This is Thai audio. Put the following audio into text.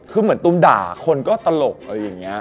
คือเหมือนตุ้มด่าคนก็ตลกอะไรอย่างนี้